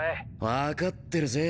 分かってるぜ。